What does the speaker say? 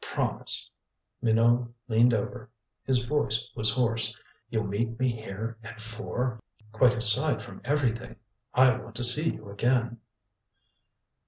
"Promise." Minot leaned over. His voice was hoarse. "You'll meet me here at four. Quite aside from my errand quite aside from everything I want to see you again."